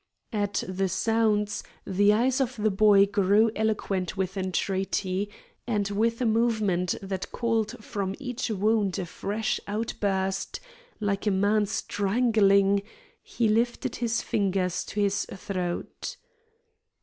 At the sounds the eyes of the boy grew eloquent with entreaty, and with a movement that called from each wound a fresh outburst, like a man strangling, he lifted his fingers to his throat.